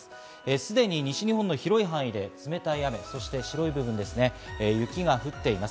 すでに西日本の広い範囲で冷たい雨、そして白い部分、雪が降っています。